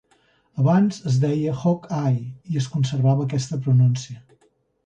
Abans es deia "Hog-Eye" i es conservava aquesta pronúncia.